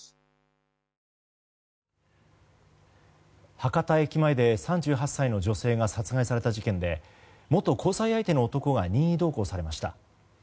博多駅前で３８歳の女性が殺害された事件で元交際相手の男が任意同行されました。